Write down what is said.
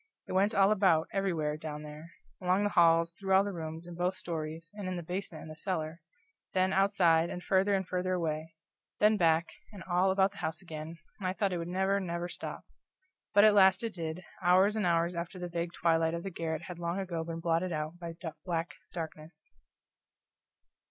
It went all about, everywhere, down there: along the halls, through all the rooms, in both stories, and in the basement and the cellar; then outside, and farther and farther away then back, and all about the house again, and I thought it would never, never stop. But at last it did, hours and hours after the vague twilight of the garret had long ago been blotted out by black darkness.